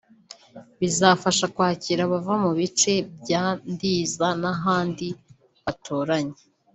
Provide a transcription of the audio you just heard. bizafasha kwakira abava mu bice bya Ndiza n’ahandi baturanye